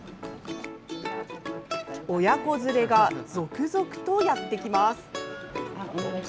親子連れが続々とやってきます。